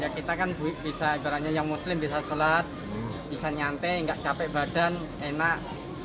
kita kan bisa ibaratnya yang muslim bisa sholat bisa nyantai nggak capek badan enak